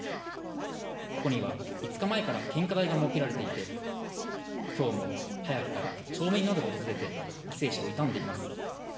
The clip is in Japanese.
ここには５日前から献花台が設けられていて、きょうも早くから町民などが訪れて、犠牲者を悼んでいます。